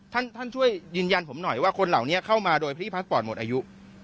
ท่านท่านช่วยยืนยันผมหน่อยว่าคนเหล่านี้เข้ามาโดยพี่พักปอดหมดอายุ